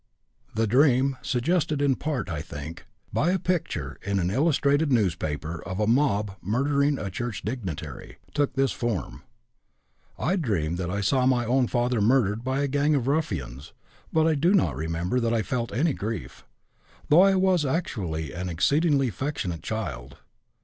The dream, suggested in part, I think, by a picture in an illustrated newspaper of a mob murdering a church dignitary, took this form: I dreamed that I saw my own father murdered by a gang of ruffians, but I do not remember that I felt any grief, though I was actually an exceedingly affectionate child.